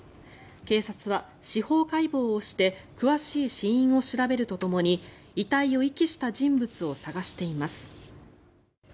警察は司法解剖をして詳しい死因を調べるとともに遺体を遺棄した人物を探しています。